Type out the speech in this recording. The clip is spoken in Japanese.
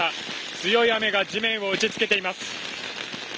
強い雨が地面を打ちつけています。